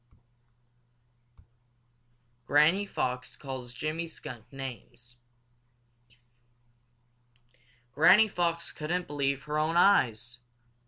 XIII. Granny Fox Calls Jimmy Skunk Names Granny Fox couldn't believe her own eyes.